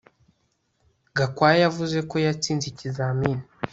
Gakwaya yavuze ko yatsinze ikizamini